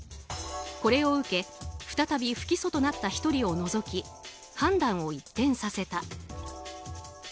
これを受け再び不起訴となった１人を除き判断を一転させた。